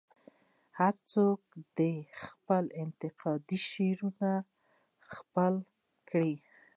هر څوک دې خپل انتقادي شعور خپل کړي.